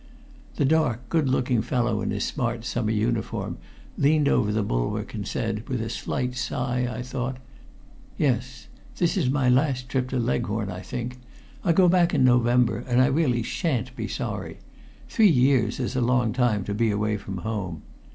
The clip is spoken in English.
The dark, good looking fellow in his smart summer uniform leaned over the bulwark, and said, with a slight sigh, I thought "Yes. This is my last trip to Leghorn, I think. I go back in November, and I really shan't be sorry. Three years is a long time to be away from home.